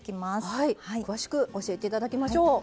はい詳しく教えて頂きましょう。